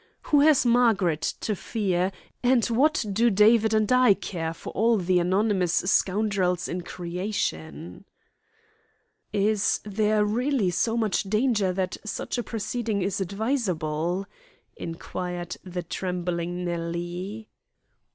"Who has Margaret to fear, and what do David and I care for all the anonymous scoundrels in creation?" "Is there really so much danger that such a proceeding is advisable?" inquired the trembling Nellie.